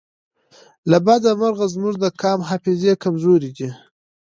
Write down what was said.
له بده مرغه زموږ د قام حافظې کمزورې دي